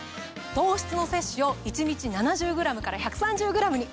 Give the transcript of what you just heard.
糖質の摂取を１日７０ｇから１３０ｇに。